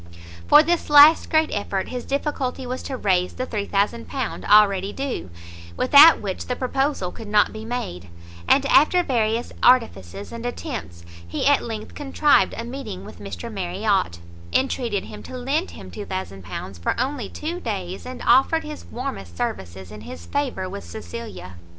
For this last great effort, his difficulty was to raise the £3000 already due, without which the proposal could not be made; and, after various artifices and attempts, he at length contrived a meeting with Mr Marriot, intreated him to lend him £2000 for only two days, and offered his warmest services in his favour with Cecilia.